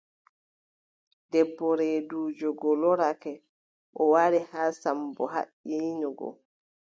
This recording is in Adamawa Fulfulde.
Debbo reeduujo go loorake, o wari haa Sammbo haɓɓino go.